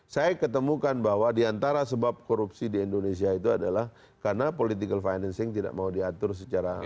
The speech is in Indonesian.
saya ketemukan bahwa diantara sebab korupsi di indonesia itu adalah karena political financing tidak mau diatur secara